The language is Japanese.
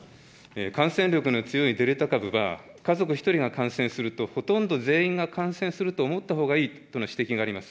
感染力の強いデルタ株は、家族１人が感染すると、ほとんど全員が感染すると思ったほうがいいという指摘があります。